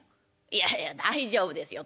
いやいや大丈夫ですよ。